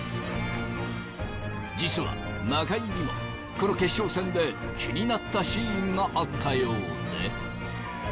実は中居にもこの決勝戦で気になったシーンがあったようで。